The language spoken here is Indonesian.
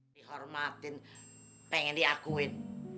di hormatin pengen diakuin